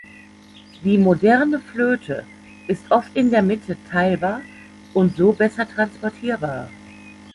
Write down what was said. Die moderne Flöte ist oft in der Mitte teilbar und so besser transportierbar.